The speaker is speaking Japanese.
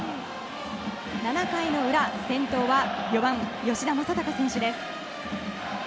７回の裏、先頭は４番、吉田正尚選手。